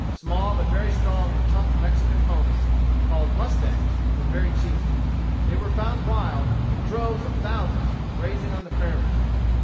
Small, but very strong and tough Mexican ponies, called mustangs, were very cheap. They were found wild, in droves of thousands, grazing on the prairies.